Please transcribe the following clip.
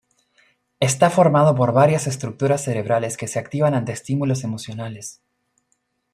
Está formado por varias estructuras cerebrales que se activan ante estímulos emocionales.